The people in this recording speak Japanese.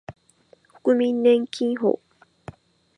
国民年金法